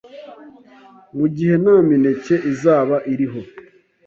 mu gihe nta mineke izaba iriho